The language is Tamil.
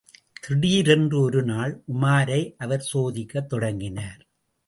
திடீரென்று ஒருநாள், உமாரை அவர் சோதிக்கத் தொடங்கினார்.